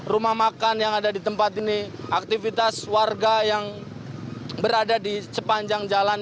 rumah makan yang ada di tempat ini aktivitas warga yang berada di sepanjang jalan